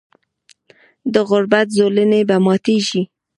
د غربت زولنې به ماتیږي.